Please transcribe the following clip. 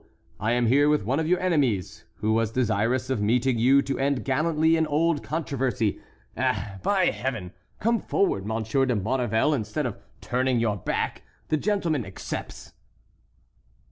I am here with one of your enemies, who was desirous of meeting you to end gallantly an old controversy. Eh, by Heaven! come forward, Monsieur de Maurevel, instead of turning your back. The gentleman accepts."